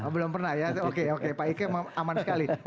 belum pernah ya oke pak ika aman sekali